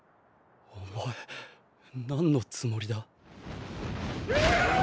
お前何のつもりだ？